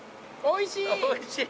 おいしい。